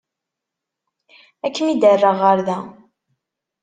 Ad kem-id-rreɣ ɣer da.